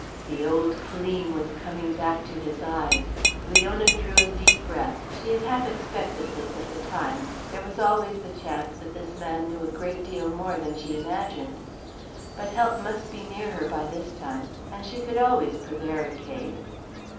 The old gleam was coming back to his eyes. Leona drew a deep breath. She had half expected this at the time; there was always the chance that this man knew a great deal more than she imagined. But help must be near her by this time, and she could always prevaricate.